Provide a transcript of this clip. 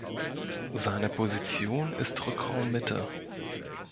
Seine Position ist Rückraum Mitte.